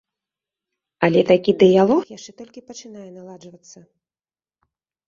Але такі дыялог яшчэ толькі пачынае наладжвацца.